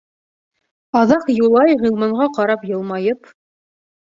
Аҙаҡ Юлай, Ғилманға ҡарап, йылмайып: